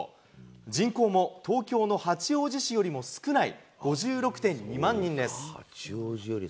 人口も東京の八王子市よりも少ない５６．２万人です。